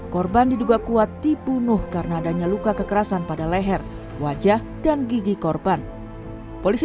korban diduga kuat dibunuh karena adanya luka kekerasan pada leher wajah dan gigi korban polisi